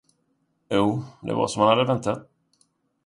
Jo, det var som han hade väntat.